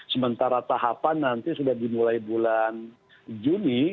sementara tahapan nanti sudah dimulai bulan juni